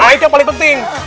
itu yang paling penting